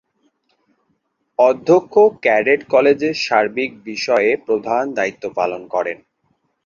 অধ্যক্ষ ক্যাডেট কলেজের সার্বিক বিষয়ে প্রধান দায়িত্ব পালন করেন।